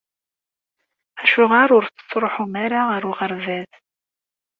Acuɣer ur tettṛuḥum ara ɣer uɣerbaz?